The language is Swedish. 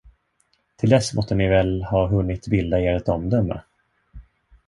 Till dess måtte ni väl ha hunnit bilda er ett omdöme.